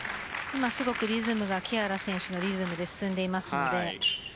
今すごく、リズムが木原選手のリズムで進んでいます。